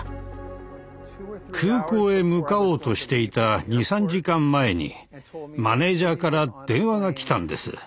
空港へ向かおうとしていた２３時間前にマネージャーから電話が来たんです。